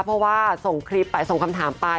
เพราะว่าส่งคลิปไปส่งคำถามไป